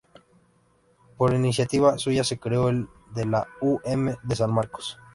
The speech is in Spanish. Por iniciativa suya se creó el de la U. M. de San Marcos.